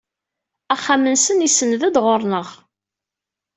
Axxam-nsen isenned-d ɣer-neɣ.